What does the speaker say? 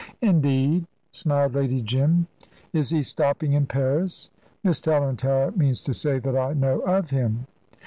"Indeed?" smiled Lady Jim. "Is he stopping in Paris?" "Miss Tallentire means to say that I know 'of him.'"